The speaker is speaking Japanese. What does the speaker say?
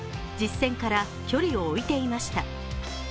実戦から距離を置いていました。